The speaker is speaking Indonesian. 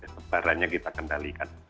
pebarannya kita kendalikan